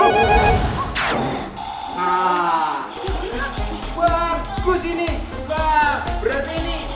wah berarti ini hadiah paling murah